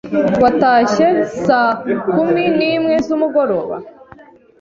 Watashye saa kumi nimwe zumugoroba.